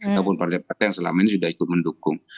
ataupun partai partai yang selama ini sudah ikut mendukung